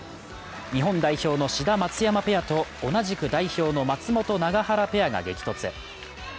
日本代表の志田・松山ペアと同じく代表の松本・永原ペアが激突